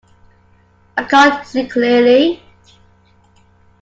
I can't see clearly.